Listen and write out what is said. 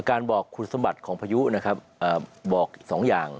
การบอกคุณสมบัติของพายุนะครับบอกสองอย่าง